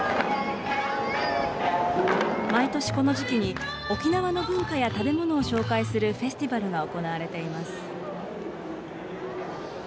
毎年この時期に、沖縄の文化や食べ物を紹介するフェスティバルが行われています。